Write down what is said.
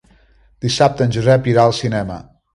Dissabte en Josep irà al cinema.